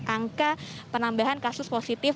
angka penambahan kasus positif